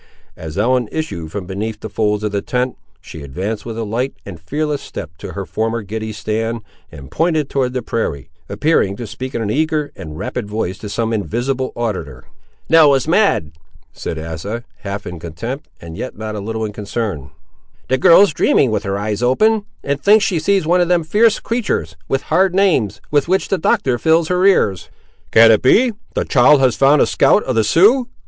As Ellen issued from beneath the folds of the tent, she advanced with a light and fearless step to her former giddy stand, and pointed toward the prairie, appearing to speak in an eager and rapid voice to some invisible auditor. "Nell is mad!" said Asa, half in contempt and yet not a little in concern. "The girl is dreaming with her eyes open; and thinks she sees some of them fierce creatur's, with hard names, with which the Doctor fills her ears." "Can it be, the child has found a scout of the Siouxes?"